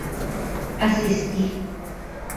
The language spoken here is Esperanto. asisti